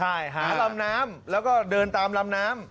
ใช่หาลำน้ำแล้วก็เดินตามลำน้ำ